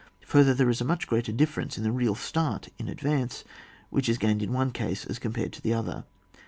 Further, there is a much greater difierence in the real start in advance, which is gained in one case, as compared with the other.